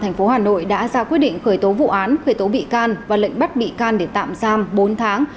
thành phố hà nội đã ra quyết định khởi tố vụ án khởi tố bị can và lệnh bắt bị can để tạm giam bốn tháng